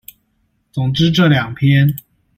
總之這兩篇